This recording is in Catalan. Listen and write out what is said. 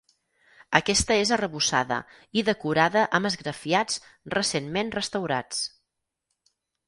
Aquesta és arrebossada i decorada amb esgrafiats recentment restaurats.